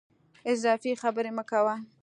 اضافي خبري مه کوه !